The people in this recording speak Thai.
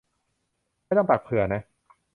ไม่ต้องตักเผื่อนะ